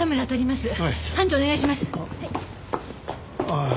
ああ。